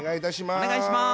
お願いします。